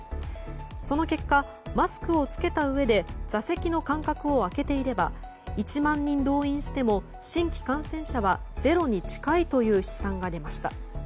その結果、マスクを着けたうえで座席の間隔を空けていれば１万人動員しても新規感染者はゼロに近いという試算が出ました。